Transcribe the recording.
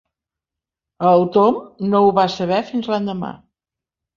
El Tom no ho va saber fins l'endemà.